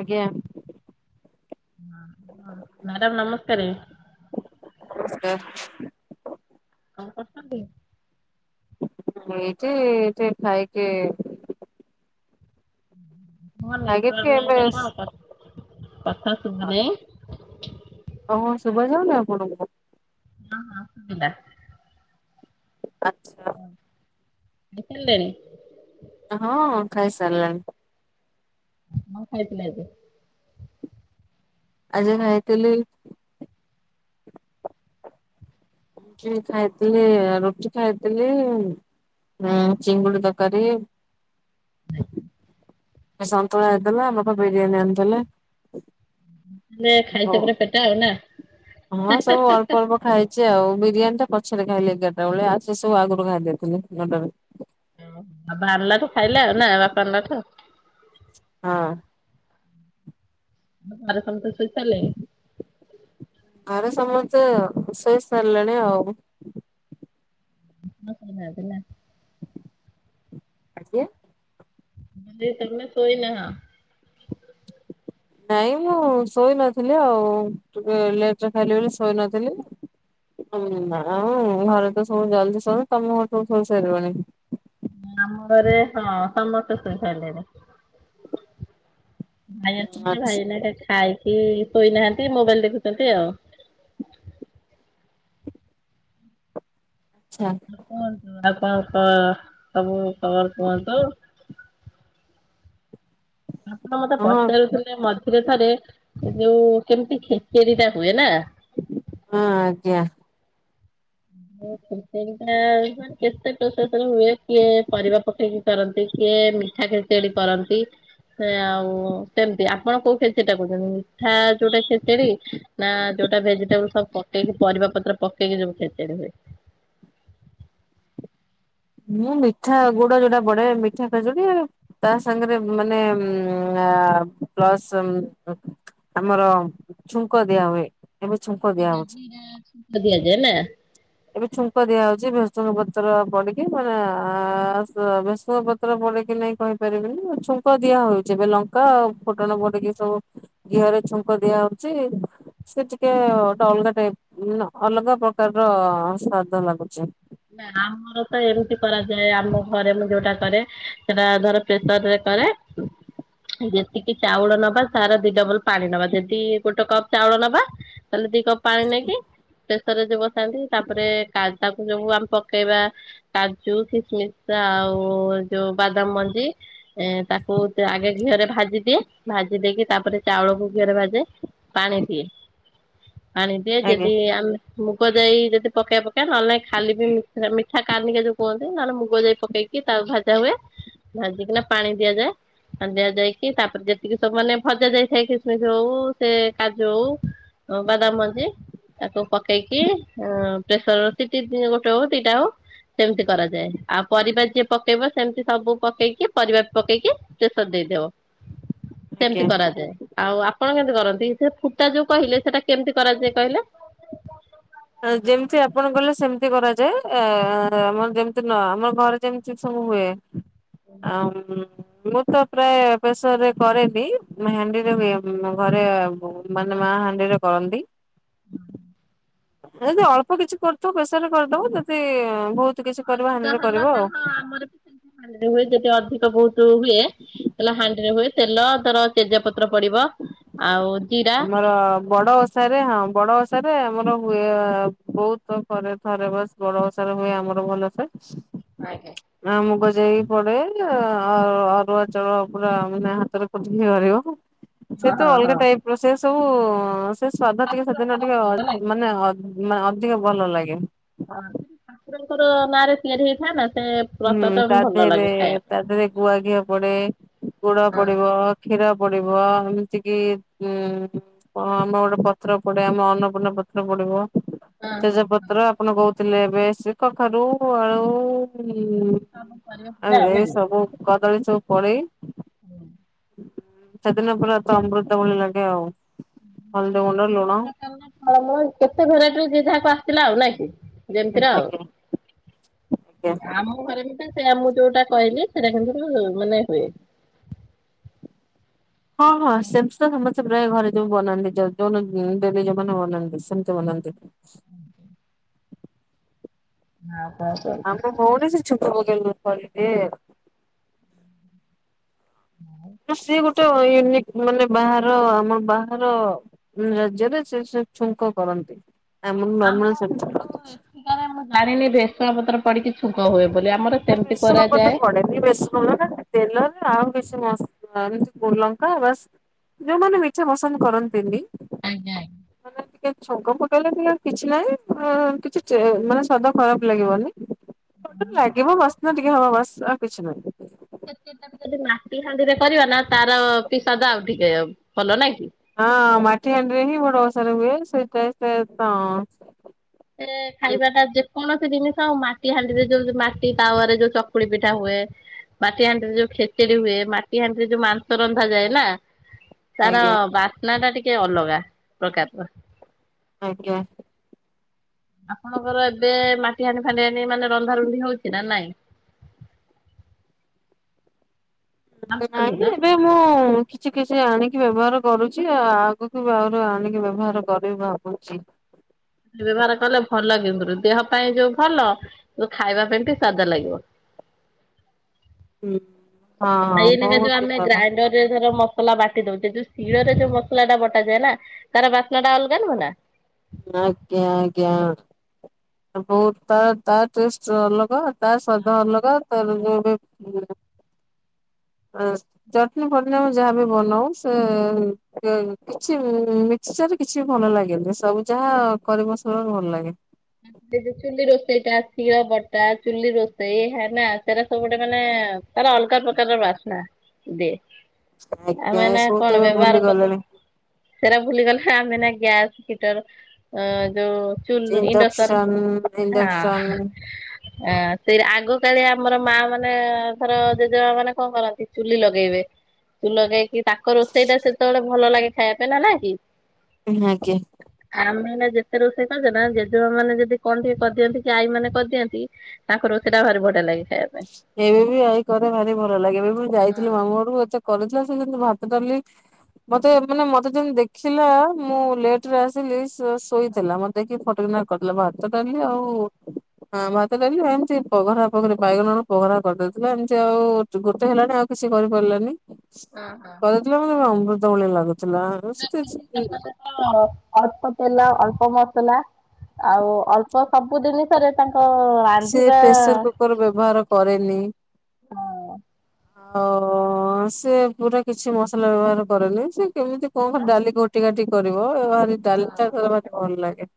ଆଜ୍ଞା। ମ୍ୟାଡ଼ାମ ନମସ୍କାରେ। ସ୍କାର। କଣ କରୁଛନ୍ତି? ମୁଁ ଏଇଠି ଏଇଠି ଖାଇକି ତମର ଖାଇକି ଟିକେ ନେଟୱର୍କ ନାହିଁ ଏବେ ନା ସ କଣ କ କଥା ଶୁଭୁ ନାଇଁ। ଓହୋ ଶୁଭା ଯାଉନି ଆପଣଙ୍କୁ? ହଁ ହଁ ଶୁବିଲା। ଆଚ୍ଛା। [unintelligible] ଖାଇ ସାରିଲେଣି? ହଁ ଖାଇ ସାରିଲିଣି। ହଁ କଣ ଖାଇଥିଲା ଏବେ? ଆଜି ଖାଇଥିଲି ଆଜି ଖାଇଥିଲି ରୁଟି ଖାଇଥିଲି ଉଁ ହୁଁ ଚିଙ୍ଗୁଡି ତରକାରୀ। ଏ ସନ୍ତୁଳା ହେଇଥିଲା ବାପା ବିରିୟାନୀ ଆଣିଥିଲେ। ହେଲେ ହଉ ଖାଇଛ ପୁରା ପେଟେ ଆଉ ନା? ହଁ ସବୁ ଅଳ୍ପ ଅଳ୍ପ ଖାଇଛି ଆଉ ବିରିୟାନୀ ଟା ପଛରେ ଖାଇଲି ଏଗାରଟା ବେଳେ ଆ ସେ ସବୁ ଆଗରୁ ଖାଇଦେଇଥିଲି ନ ଟାରେ। ଆଉ ଭାରିଲା ଠୁ ଖାଇଲା ଆଉ ନା ବାପା ଆଣିଲା ଠୁ। ହଁ। ହୁଁ ଘରେ ସମତେ ସୁ ସ୍ପେସାଲେ। ଆଡେ ସମସ୍ତେ ରୋଷେଇ ସାରିଲେଣି ଆଉ। କୃଷ୍ଣ ସନା ଦେଲା ଆଜ୍ଞା? ତୁମେ ଯେତେବଳେ ସୋଇ ନାହଁ। ନାଇଁ ମୁଁ ଶୋଇ ନଥିଲି ଆଉ ଟିକେ ଲେଟ ରେ ଖାଇଲି ବୋଲି ଶୋଇ ନଥିଲି। ହୁଁ ନା ଘରେ ତ ସବୁ ଜଲଦି ଶୁଅନ୍ତି ତମ ଘରେ ସବୁ ସୋଇସାରିବେଣୀ? ଆମ ଘରେ ହଁ ସମସ୍ତେ ଶୋଇ ସାରିଲେଣି। ଭାଇ ଆସିନଥିଲେ ଭାଇ ଆଚ୍ଛା ଆଇଲେ ଏଇନା ଖାଇକି ଶୋଇନାହାନ୍ତି ମୋବାଇଲ ଦେଖୁଛନ୍ତି ଆଉ। ଆଚ୍ଛା। ଆଉ କୁହନ୍ତୁ ଆପଣଙ୍କ ସବୁ କବର ଫବର ଦଉ। ଆପଣ ମତେ ହଁ ପଚାରୁ ଥିଲେ ମଝିରେ ଥରେ ଯୋଉ କେମିତି ଖିଚିଡି ଟା ହୁଏ ନା? ହଁ ଆଜ୍ଞା ମୋ କହିପାରିବା ମାନେ କେତେ ପ୍ରସାଦ ରେ ହୁଏ କିଏ ପରିବା ପକେଇକି କରନ୍ତି କିଏ ମିଠା ଖିଚିଡି କରନ୍ତି ସେ ଆଉ କେମିତି ଆପଣ କୋଉ ଖେଚିଡି ଟା କହୁଛନ୍ତି ମିଠା ଯୋଉଟା ଖେଚିଡି ନା ଯୋଉଟା ଭେଜିଟେବୁଲ ସବୁ ପକେଇକି ପରିବା ପତ୍ର ପକେଇକି ସବୁ ଖେଚେଡି ହୁଏ। ମୁଁ ମିଠା ଗୁଡ ଯୋଉଟା ପଡେ ମିଠା ଖେଚୋଡ଼ି ତା ସାଙ୍ଗରେ ମାନେ ଆ ପ୍ଲସ ଆମର ଛୁଙ୍କ ଦିଆ ହୁଏ ଏବେ ଛୁଙ୍କ ଦିଆ ହଉଛି। ସୁଧିଆ ଯେନା ଏବେ ଛୁଙ୍କ ଦିଆ ହଉଛି ଭେଶୁଆ ପତ୍ର ପଡିକି ମାନେ ଆ ତ ଭେସୁଆ ପତ୍ର ପଡେ କିି ନାଇଁ କହିପାରିବିନି ଛୁଙ୍କ ଦିଆ ହଉଛି ଏବେ ଲଙ୍କା ଆଉ ଫୁଟଣ ପଡିକି ସବୁ ଘିହରେ ଛୁଙ୍କ ଦିଆ ହଉଛି ସେ ଟିକେ ଗୋଟେ ଅଲଗା ଟାଇପ ମାନେ ଅଲଗା ପ୍ରକାର ର ସ୍ଵାଦ ଲାଗୁଛି ନା ଆମର ତ ଏମିତି କରାଯାଏ ଆମ ଘରେ ମୁଁ ଯୋଉଟା କରେ ସେଟା ଧର ପ୍ରେସର ରେ କରେ ହୁଁ ଯେତିକି ଚାଉଳ ନବା ତାର ଦି ଡବଲ ପାଣି ନବା ଯଦି ଗୋଟେ କପ୍ ଚାଉଳ ନବା ତାହେଲେ ଦି କପ୍ ପାଣି ନେଇକି ପ୍ରେସରରେ ଯୋଉ ବସାନ୍ତି ତାପରେ କାଜାକୁ ଯୋଉ ଆମେ ପକେଇବା କାଜୁ କିସମିସ ଆଉ ଯୋଉ ବାଦାମ ମଞ୍ଜି ଏ ତାକୁ ସେ ଆଗେ ଘିଅରେ ଭାଜି ଦିଏ ଭାଜି ଦେଇକି ତାପରେ ଚାଉଳକୁ ଘିଅରେ ଭାଜେ ପାଣି ଦିଏ ପାଣି ଦିଏ ଆଜ୍ଞା ଯଦି ଆମେ ମୁଗ ଜାଇ ଯଦି ପକେଇବା ପକେଇବା ନହେଲେ ନାହିଁ ଖାଲି ବି ମିଠା ମିଠା କାନିକା ଯୋଉ କୁହନ୍ତି ନହେଲେ ମୁଗ ଯାଇ ପକେଇକି ତାକୁ ଭଜା ହୁଏ। ଭାଜିିକି ନା ପାଣି ଦିଆଯାଏ ପାଣି ଦିଆ ଯାଇକି ତାପରେ ଯେତିକି ସବୁ ମାନେ ଭଜା ଯାଇଥାଏ କିସମିସ ହଉ ସେ କାଜୁ ହଉ ଅ ବାଦାମ ମଞ୍ଜି ତାକୁ ପକେଇକି ଅ ପ୍ରେସର ରେ ତି- ସିଟି ଗୋଟେ ହଉ ଦିଟା ହଉ ସେମିତି କରାଯାଏ ଆଉ ପରିବା ଯିଏ ପକେଇବ ସେମିତି ସବୁ ପକେଇକି ପରିବା ପକେଇକି ପ୍ରେସର୍ ଦେଇଦବ ଆଜ୍ଞା। ସେମିତି କରାଯାଏ ଆଉ ଆପଣ କେମିତି କରନ୍ତି ସେ ଫୁଟା ଯୋଉ କହିଲେ ସେଟା କେମିତି କରାଯାଏ କହିଲେ? ଯେମିତି ଆପଣ କହିଲେ ସେମିତି କରାଯାଏ ଏ ଆମର ଯେମିତି ନ ଆମ ଘରେ ଯେମିତିସେ ସବୁ ହୁଏ ଆଉ ମୁଁ ତ ପ୍ରାୟ ପ୍ରେସର ରେ କରେନି ହାଣ୍ଡିରେ ବି ଘରେ ମାନେ ମା ହାଣ୍ଡିରେ କରନ୍ତି ହୁଁ ଯଦି ଅଳ୍ପ କିଛି କରୁଥିବ ପ୍ରେସର୍ ରେ କରିଦବ ଯଦି ବହୁତ କିଛି କରିବ ହାଣ୍ଡିରେ କରିବ ଆଉ ହାଣ୍ଡିରେ ହୁଏ ଯଦି ଅଧିକ ବହୁତ ହୁଏ ତା ହେଲେ ହାଣ୍ଡିରେ ହୁଏ ତେଲ ଧର ତେଜ ପତ୍ର ପଡିବ ଆଉ ଜିରା ଆମର ବଡ ଓଷାରେ ହଁ ବଡ ଓଷାରେ ଆମର ହୁଏ ବହୁତ ପ୍ର - ଥରେ ଥରେ ବସ ବଡ ବଷାରେ ହୁଏ ଆମର ଭଲସେ। ଆଜ୍ଞା। ଆ ମୁଗ ଜାଇ ପଡେ ଆଉ ଅରୁଆ ଚାଉଳ ପୁରା ମାନେ ହାତରେ ପୋଛକିରି ହରେଇବ। ସେ ତ ଅଲଗା ଟାଇପ ର ସେ ସବୁ ସେ ସ୍ଵାଦ ଟିକେ ସେଦିନ ଟିକେ ଅ ମାନେ ଅ ମା ଅଧିକ ଭଲ ଲାଗେ। ହ ସେ ଠାକୁରଙ୍କର ନାଁରେ ତିଆରି ହେଇଥାଏ ନା ସେ। ହୁଁ ପ୍ରସାଦ ତା ଭଲ ଦେହରେ ଲାଗେ ଖାଇବା ତା ଦେହରେ ଗୁଆ ଘିଅ ପଡେ ଗୁଡ ପଡିବ। କ୍ଷୀର ପଡିବ ଏମିତି କିି ଉଁ ହ ଆମେ ଗୋଟେ ପତ୍ର ପଡେ ଆମ ଅନ୍ନପୂର୍ଣ୍ଣା ପତ୍ର ପଡିବ। ପାଇଁ। ତେଜପତ୍ର ଆପଣ କହୁଥିଲେ ଏବେ ସେ କଖାରୁ ଆଳୁ। ହୁଁ ହଁ ଆଉ ଏ ନାଇଁ ସବୁ କଦଳୀ ସବୁ ପଳେଇ। [inaudible] ସେଦିନ ପୁରା ତ ଅମୃତଭଳି ଲାଗେ ଆଉ ହଲଦି ଗୁଣ୍ଡ ଲୁଣ। ଫଳମୂଳ କେତେ ଭେରାଇଟିର ଯେ ଯାହାକୁ ଆସିଥିଲା ଆଉ ନାଇଁ କି। ଯେମିତିରେ ଆଉ ଆଜ୍ଞା ଆଜ୍ଞା। ନା ମ। ଘରେ ବି ତ ସେଇଆ ମୁଁ ଯୋଉଟା କହିଲି ସେଟା କିନ୍ତୁ ମାନେ ହୁଏ। ହଁ ହଁ ସେମିତି ତ ସମସ୍ତେ। ପ୍ରାୟ ଘରେ ଯୋଉ ବନାନ୍ତି ଯ ଯୋଉଦିନ ଡେଲି ଯୋଉମାନେ ବନାନ୍ତି ସେମିତି ବନାନ୍ତି। ଆଉ କଣ କୁହ? ଆମ୍ବ ହେଉନି ସେ ଛିପ ପକେଇଲେ ବି କହିବେ। ହୁଁ। ସିଏ ଗୋଟେ ୟୁନିକ୍ ମାନେ ବାହାର ଆମ ବାହାର ରାଜ୍ୟରେ ସେ ସ ଛୁଙ୍କ କରନ୍ତି ଆମର ନର୍ମାଲ ସେମିତି ଚାଲିଚି। ନାଁ ନାଁ ମୁଁ ଜାଣିନି ଭେସୁଙ୍ଗା ପତ୍ର ପଡିକି ଛୁଙ୍କ ହୁଏ ବୋଲି। ଆମର କେମିତି କରାଯାଏ? ବେଶୀ ଭଲଟା ତେଲରେ ଆଉ ବେଶୀ ମସଲା ଏମିତି ଲଙ୍କା ବାସ୍। ଯୋଉମାନେ ମିଛ ପସନ୍ଦ କରନ୍ତିନି ଆଜ୍ଞା। ସେମାନେ ଟିକେ ଛୁଙ୍କ ପକେଇଲେ ବି କିଛି ନାହିଁ ଆଁ କିଛି ଟେ ମାନେ ସ୍ୱାଦ ଖରାପ ଲାଗିବନି। ଲାଗିବ ବାସ୍ନା ଟିକେ ହବ ବାସ୍ ଆଉ କିଛି ନାହିଁ। ଯଦି ମାଟି ହାଣ୍ଡିରେ କରିବା ନା ତାର ବି ସ୍ୱାଦ ଆଉ ଟିକେ ଭଲ ନାଇଁ କି। ହଁ ମାଟି ହାଣ୍ଡିରେ ହିଁ ବଡ ଓଷାରେ ହୁଏ। ସେଇ ଟେଷ୍ଟ ତ ଏ ଖାଇବା ଟା ଯେକୌଣସି ଜିନିଷ ଆଉ ମାଟି ହାଣ୍ଡିରେ ଯୋଉ ମାଟି ତାୱାରେ ଯୋଉ ଚକୁଳି ପିଠା ହୁଏ ମାଟି ହାଣ୍ଡିରେ ଯୋଉ ଖେଚେଡି ହୁଏ ମାଟି ହାଣ୍ଡିରେ ଯୋଉ ମାଂସ ରନ୍ଧାଯାଏ ନା। ତାର ଆଜ୍ଞା ବାସ୍ନା ଟା ଟିକେ ଅଲଗା ପ୍ରକାରର। ଆଜ୍ଞା। ଆପଣଙ୍କର ଏବେ ମାଟି ହାଣ୍ଡି ଫାଣ୍ଡି ହାଣ୍ଡି ମାନେ ରନ୍ଧା ରୁନ୍ଧି ହଉଛି ନା ନାଇଁ? ଭାବୁଛନ୍ତି ନାହିଁ ଏବେ [inaudible] ମୁଁ କିଛି କିଛି ଆଣିକି ବ୍ୟବହାର କରୁଛି। ଆଉ ଆଗକୁ ବି ଆହୁରି ଆଣିକି ବ୍ୟବହାର କରିିବି ଭାବୁଛି। ବ୍ୟବହାର କଲେ ଭଲ କିନ୍ତୁ ଦେହ ପାଇଁ ଯୋଉ ଭଲ ଖାଇବା ପାଇଁ ବି ସ୍ଵାଦ ଲାଗିବ। ହଁ ହଁ ବହୁତ ଭଲ। ଏବେ ଧର ମସଲା ବାଟି ଦଉଛେ ଯୋଉ ଶିଳରେ ଯୋଉ ମସଲା ଟା ବଟାଯାଏ ନା ତାର ବାସ୍ନା ଟା ଅଲଗା ନୁହେଁ ନା। ଆଜ୍ଞା ଆଜ୍ଞା। ବହୁତ ତା ତା ଟେଷ୍ଟ ଅଲଗା ତା ସ୍ଵାଦ ଅଲଗା। ତା ବି କୋଉଥିବ [inaudible] ଚଟଣି ପନିର ଆମେ ଯାହାବି ବନାଉ ସେ କ କିଛି ମି ସେଠି କିଛି ବି ଭଲ ଲାଗେନି ସବୁ ଯାହା କରି ମସଲା ରେ ଭଲ ଲାଗେ। ସେ ଚୁଲି ରୋଷେଇ ଟା ଶିଳ ବଟା ଚୁଲି ରୋଷେଇ ହେ ନା ସେରା ସବୁ ଗୋଟେ ମାନେ ତାର ଅଲଗା ପ୍ରକାରର ବାସ୍ନା ଦିଏ। ଆଜ୍ଞା ଆମେ ଏ ଏନା ସବୁ ତ କଣ ଏବେ ଭୁଲି ବ୍ୟବହାର କରୁଚୁ? ଗଲେଣି ସେରା ଭୁଲିଗଲେ ଆମେ ନା ଗ୍ୟାସ ହିଟର ଯୋଉ ଚୂଲ ଇଣ୍ଡସ [unintelligible] ଇଣ୍ଡକ୍ସନ୍ ହ ସେଇରା ଆଗ କାଳିଆ ଆମର ମା ମାନେ ଧର ଜେଜେମା ମାନେ କଣ କରନ୍ତି, ଚୁଲି ଲଗେଇବେ। କୁଲରେଇକି ତାଙ୍କ ରୋଷେଇ ଟା ସେତେବେଳେ ଭଲ ଲାଗେ ଖାଇବା ପାଇଁ ନା ନା କି। ହଁ ଆଜ୍ଞା। ଆମେ ଏଇନା ଯେତେ ରୋଷେଇ କରିଦେବା ଯେ ଛୁଆ ମାନେ ଯଦି କଣ ଟିକେ କରିଦିଅନ୍ତି, କି ଆଈ ମାନ କରିଦିଅନ୍ତି ତାଙ୍କ ରୋଷେଇଟା ଭାରି ବଢିଆ ଲାଗେ ଖାଇବାକୁ। ଏବେ ବି ଆଇ କରେ ଭାରି ଭଲ ଲାଗେ। ଏବେ ମୁଁ ହଁ ଯାଇଥିଲି ମାମୁଁ ଘରକୁ, ଏତେ କରିଥିଲା ସେମିତି ଭାତ ଡାଲି ମତେ ମାନେ ମତେ ଯେମିତି ଦେଖିଲା ମୁଁ ଲେଟ ରେ ଆସିଲି ଶୋଇଥିଲା। ମତେ ଦେଖି ଫଟ କିନା କରିଦେଲା ଭାତ ଡାଲି ଆଉ ହଁ ଭାତ ଡାଲି ଆ ଏମିତି ପଘରା ପଘରି ବାଇଗଣ ପଘରା କରିଦେଇଥିଲା। ଏମିତି ଆଉ ଗୋଟେ ହେଲାଣି ଆଉ କିଛି କରିପାରିଲାନି। ହଁ ହଁ। [unintelligible] ଅମୃତ ଭଳିଆ ଲାଗୁଥିଲା [unintelligible] ଅଳ୍ପ ତେଲ, ଅଳ୍ପ ମସଲା ଆଉ ଅଳ୍ପ ସବୁ ଜିନିଷରେ ତାଙ୍କ ସେ ରାନ୍ଧିବା ପେସର କୁକର ବ୍ୟବହାର କରେନି। ଆଉ ସେ ପୁରା କିଛି ମସଲା ବ୍ୟବହାର କରେନି। ସେ କେମିତି କଣ ଡାଲି କାଟି କାଟି କରିବ। ଭାରି ଡାଲି ଟା ତାର ଭାରି ଭଲ ଲାଗେ।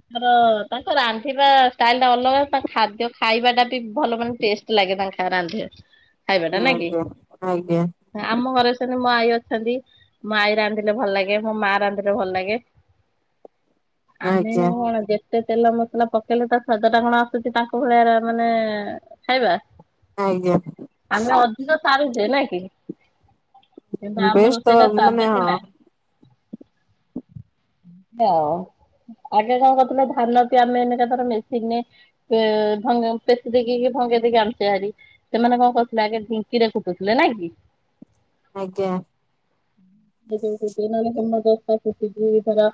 ତାଙ୍କର ତାଙ୍କ ରାନ୍ଧିବା ଷ୍ଟାଇଲ ଟା ଅଲଗା, ତାଙ୍କ ଖାଦ୍ୟ ଖାଇବା ଟା ବି ଭଲ ମାନେ ଟେଷ୍ଟ। ତ ଲାଗେ ତାଙ୍କ ଖା ରାନ୍ଧିବା ଖାଇବାଟା, ନା କି। ଆଜ୍ଞା ଆଜ୍ଞା ଆମ ଘରେ ସେମତି ମୋ ଆଈ ଅଛନ୍ତି। ମୋ ଆଈ ରାନ୍ଧିଲେ ଭଲ ଲାଗେ, ମୋ ମା ରାନ୍ଧିଲେ ଭଲ ଲାଗେ। ଆମେ ଆଜ୍ଞା ଏଇନା କଣ ଯେତେ ସେ ତେଲ ମସଲା ପକେଇଲେ ତା ସ୍ଵାଦ ଟା କଣ ଆସୁଛି ତାଙ୍କ ଭଳିଆ, ମାନେ ଖାଇବା। ଆଜ୍ଞା। ଆମେ ଅଧିକ ସାରୁଛେ, ନାଇଁ କି? କିନ୍ତୁ ଆମ ବେଶ ତ ରୋଷେଇ ଟା ସ୍ୱାଦ ମାନେ ହି ହଁ ନାହିଁ। ଆଉ ଆଗେ କଣ କରୁଥିଲେ ଧାନ ବି ଆମେ ଏନକାତରେ ମେସିନ ରେ ପେ-ଭଙ୍ଗ ପେଶୀ ପେପିକି ଭଙ୍ଗେଇ ଦେଇକି ଆଣିୁଛେ ଆରି। ସେମାନେ କଣ କରୁଥିଲେ ଆଗେ ଢିଙ୍କିରେ କୁଟୁଥିଲେ, ନାଇ କି। ଆଜ୍ଞା। ସେତେବେଳେ ଢିଙ୍କି ନ ହେଲେ ହେମଦସ୍ତା କୁଟିକି ତାର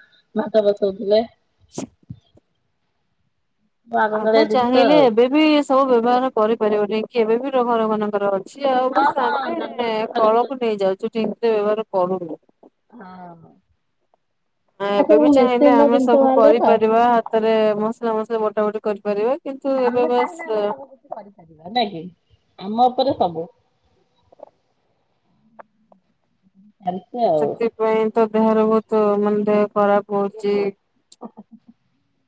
ଭାତ ବସଉଥିଲେ। ଆମେ ଆଗକାଳିଆ ଜିନିଷ ଚାହିଁଲେ ଆଉ। ଏବେ ବି ସବୁ ବ୍ୟବହାର କରିପାରିବ ଢିଙ୍କି ଏବେ ବି ଘର ମାନଙ୍କରେ ଅ କିଛି ଆଉ ହଁ ହଁ ଜଣ ଆମେ ଜଣଙ୍କ ଘରେ ହଁ। କଳକୁ ନେଇ ଯାଉଛୁ ଢିଙ୍କି ର ବ୍ୟବହାର କରୁନୁ। ହଁ। ହଁ ଏବେ ବି ଚାହିଁଲେ ଆମେ ଜିନିଷ ସବୁ ବାହାରିଲା ନା କରିପାରିବା। ହାତରେ ମସଲା ମସଲି ବଟା ବଟି କରିପାରିବେ। କିନ୍ତୁ ଏବେ ଆମେ ଚାହିଁଲେ ବାସ ସେ ଆମେ ସବୁ କିଛି କରିପାରିବା ନାଇଁ କି। ଆମ ଉପରେ ସବୁ। ସାରିଚେ ଆଉ। ପାଇଁ ତ ଦେହରେ ବହୁତ, ମାନେ ଦେହ ଖରାପ। ହଉଛି।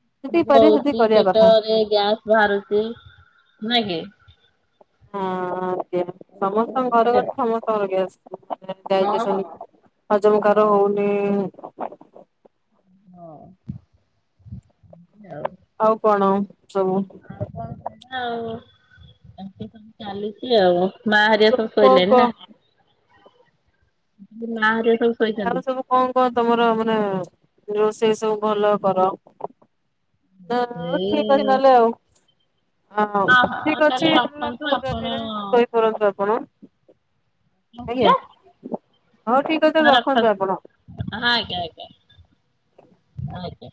ଯେତିକି ପାରିବେ ସେତିକି ହଉଛି କରିବା କଥା ପେଟରେ ଗ୍ୟାସ ବାହାରୁଚି ନାଇଁ କି। ହଁ ଆଜ୍ଞା ହଁ ସମସ୍ତଙ୍କ ହଁ ଘରେ ଘରେ ସମସ୍ତଙ୍କର ଗ୍ୟାସ। ଡାଇଜେସନ ଆଉ ହଜମକାର ହଉନି। ହଁ ଆଉ। ଆଉ କଣ ସବୁ? ଆଉ କଣ କରିବା ଚାଲିଛି ଆଉ। ମା ଆଉ ହରିଆ ସବୁ କଣ ଶୋଇଲାଣି ନା କଣ ‌ମା ହରିଆ ସବୁ। ଶୋଇଛନ୍ତି ଆଉ ସବୁ କଁ କଁ ତମର ମାନେ ରୋଷେଇ ସବୁ ଭଲ କର। ନା ହଉ ଏଇ ଠିକ ଅଛି ନହେଲେ ଆଉ। ହଁ ହଁ ଠିକ ଅଛି ତାହେଲେ ତାହେଲା ରଖନ୍ତୁ ବହୁତୁ ଆପଣ ରାତି ହେଲାଣି ଶୋଇପନ୍ତୁ ଆପଣ। ଆଜ୍ଞା ହଁ ହଉ ଠିକ ଅଛି ରଖ। ରଖନ୍ତୁ ଆପଣ। ହଁ ଆଜ୍ଞା ଆଜ୍ଞା ଆଜ୍ଞା।